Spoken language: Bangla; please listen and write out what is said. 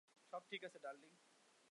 সব ঠিক আছে, ডার্লিং।